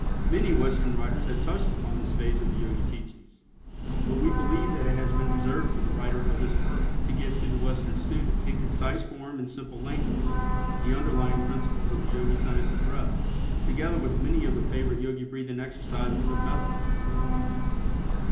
Many Western writers have touched upon this phase of the Yogi teachings, but we believe that it has been reserved for the writer of this work to give to the Western student, in concise form and simple language, the underlying principles of the Yogi Science of Breath, together with many of the favorite Yogi breathing exercises and methods.